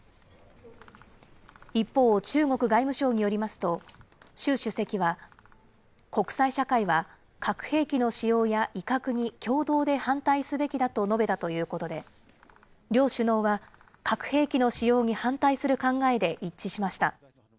一方、中国外務省によりますと、習主席は、国際社会は、核兵器の使用や威嚇に共同で反対すべきだと述べたということで、両首脳は、核兵器の使用に反対する考えで一致しました。